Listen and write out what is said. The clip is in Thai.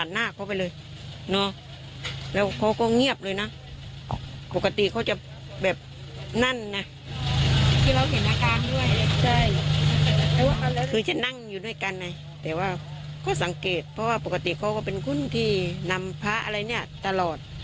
เราก็สังเกตเพราะว่าปกติเขาก็เป็นคุณที่นำพระอะไรเนี่ยตลอด